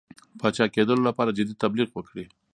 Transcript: پاچاکېدلو لپاره جدي تبلیغ وکړي.